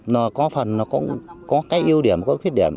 nó có phần nó có cái ưu điểm có cái khuyết điểm